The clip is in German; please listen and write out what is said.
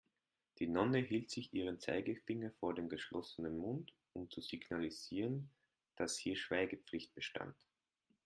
Die Nonne hielt sich ihren Zeigefinger vor den geschlossenen Mund, um zu signalisieren, dass hier Schweigepflicht bestand.